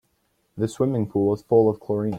The swimming pool was full of chlorine.